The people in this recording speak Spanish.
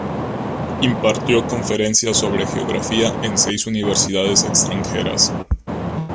Impartió conferencias sobre geografía en seis universidades extranjeras.